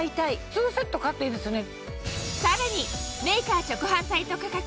２セット買っていいですよね。